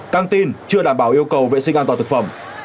căng tin chưa đảm bảo yêu cầu vệ sinh an toàn thực phẩm